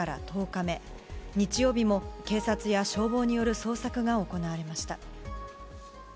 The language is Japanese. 日曜日も警察や消防による捜索が行われました。